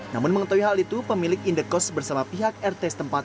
namun mengetahui hal itu pemilik indekos bersama pihak rt setempat